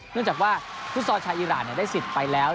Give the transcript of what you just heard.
เนื่องจากว่าฟุตซอลชาวอีรานได้สิทธิ์ไปแล้ว